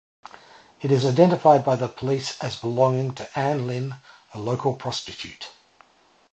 It is identified by the police as belonging to Ann-Lynne, a local prostitute.